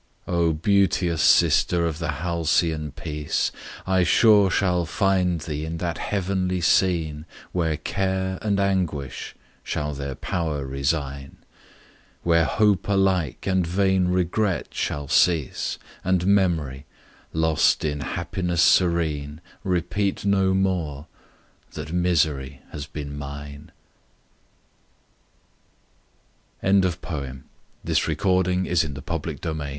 Oh, beauteous sister of the halcyon peace! I sure shall find thee in that heavenly scene Where care and anguish shall their power resign; Where hope alike, and vain regret shall cease, And memory lost in happiness serene, Repeat no more that misery has been mine! SONNET XLII. Composed during a Walk on the Downs, Nov. 1787.